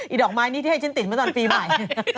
ดอกไม้นี้ที่ให้ฉันติดมาตอนปีใหม่